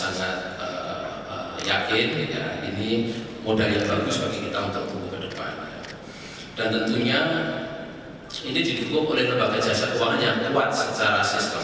dan juga kita mencoba untuk menjanjikan sistem kesehatan yang lebih tepat untuk melatih empat persen dari disitu dan tentunya ini didukung oleh pelbagai jasa keuangan yang kuat secara sistem